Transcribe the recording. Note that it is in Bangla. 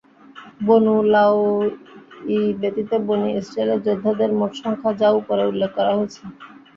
বনু লাওয়ী ব্যতীত বনী ইসরাঈলের যোদ্ধাদের মোট সংখ্যা যা উপরে উল্লেখ করা হয়েছে।